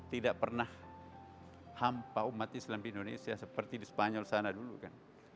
tidak pernah hampa umat islam di indonesia seperti di spanyol sana dulu kan